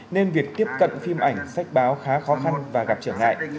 nên việc tiếp cận phim ảnh sách báo khá khó khăn và gặp trở ngại